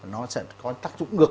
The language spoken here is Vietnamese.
nó sẽ có tác dụng ngược